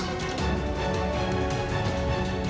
saya kurang tahu